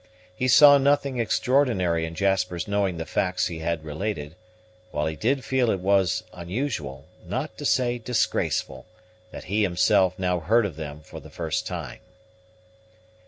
He saw nothing extraordinary in Jasper's knowing the facts he had related; while he did feel it was unusual, not to say disgraceful, that he himself now heard of them for the first time.